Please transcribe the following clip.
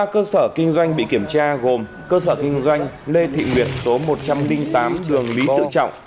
ba cơ sở kinh doanh bị kiểm tra gồm cơ sở kinh doanh lê thị nguyệt số một trăm linh tám đường lý tự trọng